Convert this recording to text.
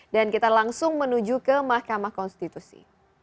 dan kita langsung menuju ke makamah konstitusi